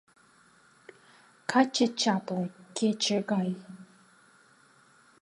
Каче чапле — кече гай